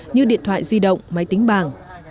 như điện thoại di động máy tính bảng